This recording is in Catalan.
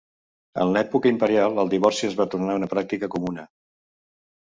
En l'època imperial el divorci es va tornar una pràctica comuna.